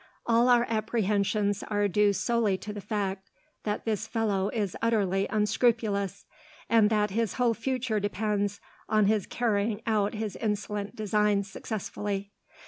All our apprehensions are due solely to the fact that this fellow is utterly unscrupulous, and that his whole future depends on his carrying out his insolent designs successfully.